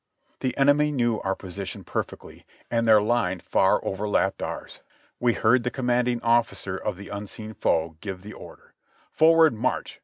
The enemy knew our position perfectly, and their line far over lapped ours. We heard the commanding officer of the unseen foe give the order "Forward, march